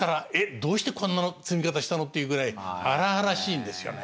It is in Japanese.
どうしてこんな積み方したのっていうぐらい荒々しいんですよね。